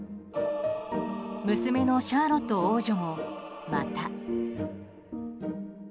娘のシャーロット王女もまた。